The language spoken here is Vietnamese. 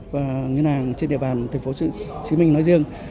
và ngân hàng trên địa bàn tp hcm nói riêng